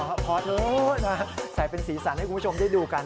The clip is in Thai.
ขอโทษนะใส่เป็นสีสันให้คุณผู้ชมได้ดูกัน